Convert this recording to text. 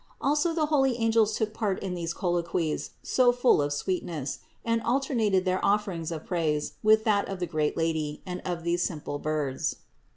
Also the holy angels took part in these colloquies so full of sweet ness, and alternated their offerings of praise with that of the great Lady and of these simple birds.